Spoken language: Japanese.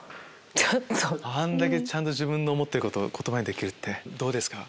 ちゃんと自分の思ってること言葉にできるってどうですか？